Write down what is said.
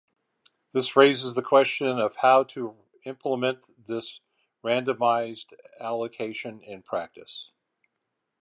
This raises the question of how to implement this randomized allocation in practice?